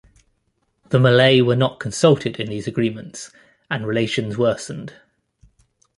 The Malay were not consulted in these agreements, and relations worsened.